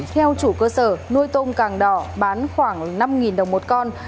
theo chủ cơ sở nuôi tôm càng đỏ bán khoảng năm đồng một con